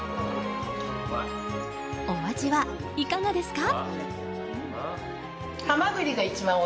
お味は、いかがですか？